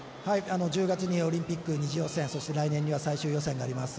１０月にオリンピック２次予選そして来年には最終予選があります。